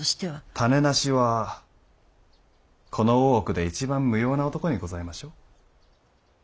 種無しはこの大奥で一番無用な男にございましょう？